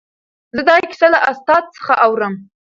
زه دا کیسه له استاد څخه اورم.